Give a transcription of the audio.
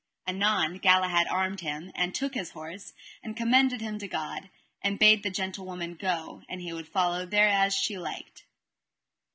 Anon Galahad armed him, and took his horse, and commended him to God, and bade the gentlewoman go, and he would follow thereas she liked.